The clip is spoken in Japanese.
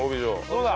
どうだ？